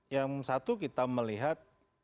yang satu kita melihat